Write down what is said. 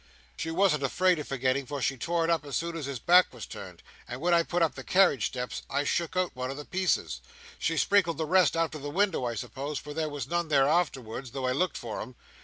She wasn't afraid of forgetting, for she tore it up as soon as his back was turned, and when I put up the carriage steps, I shook out one of the pieces—she sprinkled the rest out of the window, I suppose, for there was none there afterwards, though I looked for 'em.